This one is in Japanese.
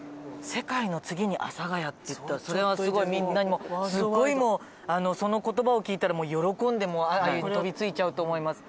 世界の次に阿佐ヶ谷っていったらそれはすごいみんなにすごいもうその言葉を聞いたら喜んで鮎に飛びついちゃうと思います。